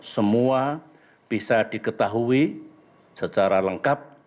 semua bisa diketahui secara lengkap